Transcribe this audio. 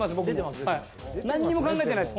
なにも考えてないです